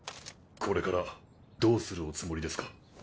これからどうするおつもりですか？